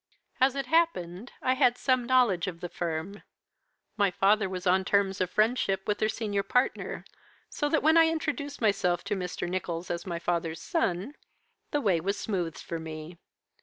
"As it happened, I had some knowledge of the firm. My father was on terms of friendship with their senior partner, so that when I introduced myself to Mr. Nicholls as my father's son, the way was smoothed for me.